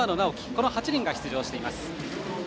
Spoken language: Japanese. この８人が出場しています。